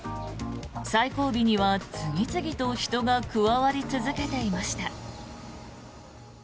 最後尾には、次々と人が加わり続けていました。